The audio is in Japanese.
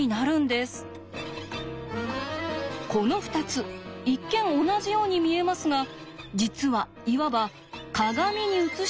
この２つ一見同じように見えますが実はいわば鏡に映した関係。